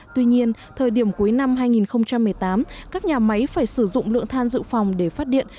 tuy nhiên thời điểm cuối năm hai nghìn một mươi tám các nhà máy phải sử dụng lượng than dự phòng để phát điện